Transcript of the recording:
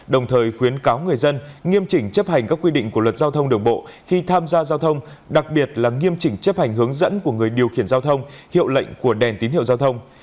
đồng thời khuyến cáo người dân nghiêm chỉnh chấp hành các quy định của luật giao thông đường bộ khi tham gia giao thông đặc biệt là nghiêm chỉnh chấp hành hướng dẫn của người điều khiển giao thông hiệu lệnh của đèn tín hiệu giao thông